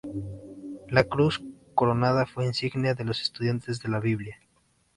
La cruz coronada fue insignia de los Estudiantes de la Biblia.